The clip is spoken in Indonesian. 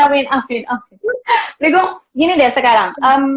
briggo gini deh sekarang